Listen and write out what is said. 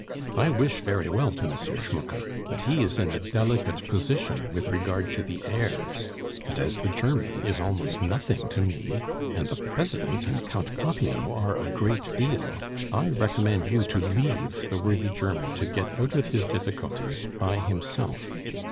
I wish very well to M. Schmucke, but he is in a delicate position with regard to the heirs and as the German is almost nothing to me, and the President and Count Popinot are a great deal, I recommend you to leave the worthy German to get out of his difficulties by himself.